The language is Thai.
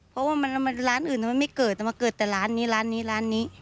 เพราะว่าร้านอื่นทำไมไม่เกิดมาเกิดแต่ร้านนี้ร้านนี้ร้านนี้